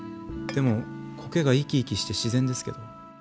でも苔が生き生きして自然ですけど。